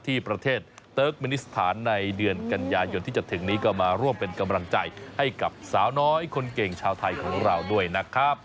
ที่ประเทศเติร์กมินิสถานในเดือนกันยายนที่จะถึงนี้ก็มาร่วมเป็นกำลังใจให้กับสาวน้อยคนเก่งชาวไทยของเราด้วยนะครับ